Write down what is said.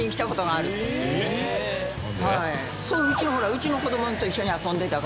うちの子どもと一緒に遊んでたから。